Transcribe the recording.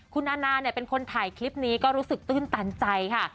คุณอาณาเนี่ยเป็นคนถ่ายคลิปนี้ก็รู้สึกตื้นตันใจค่ะ